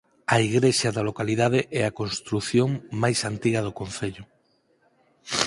A igrexa da localidade é a construción máis antiga do concello.